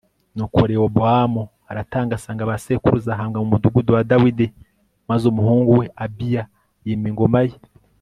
nuko rehobowamu aratanga asanga ba sekuruza, ahambwa mu mudugudu wa dawidi maze umuhungu we abiya yima ingoma ye